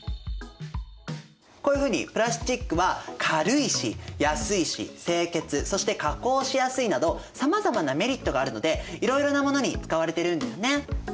こういうふうにプラスチックは軽いし安いし清潔そして加工しやすいなどさまざまなメリットがあるのでいろいろなものに使われてるんだよね。